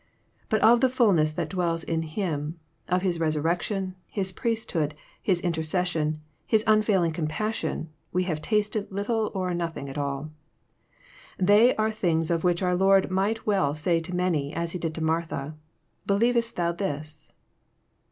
But ofjjie fulness that dwells in Him, of His resurrection, His priesthood. His interces* sion. His unfailing compassion, we have tasted little or nothing at all* They are things of which our Lord might well say to many, as he did to Martha, ^^ Believest thou this